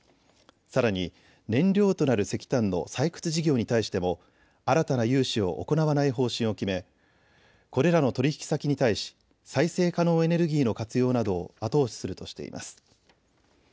さらに燃料となる石炭の採掘事業に対しても新たな融資を行わない方針を決めこれらの取引先に対し、再生可能エネルギーの活用などを後押しするとしています。